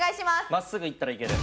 真っすぐいったらいける。